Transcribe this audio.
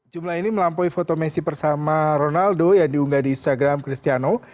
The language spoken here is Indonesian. jumlah ini melampaui foto messi bersama ronaldo yang diunggah di instagram cristiano